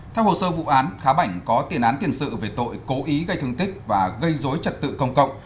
theo hồ sơ vụ án khá bảnh có tiền án tiền sự về tội cố ý gây thương tích và gây dối trật tự công cộng